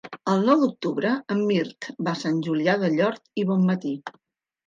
El nou d'octubre en Mirt va a Sant Julià del Llor i Bonmatí.